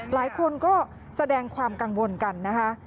หลายคนก็แสดงความกังวลกันนะคะ